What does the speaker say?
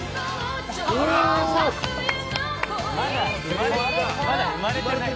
まだ生まれてない。